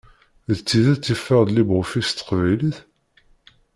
D tidet yeffeɣ-d LibreOffice s teqbaylit?